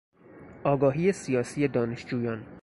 آگاهی سیاسی دانشجویان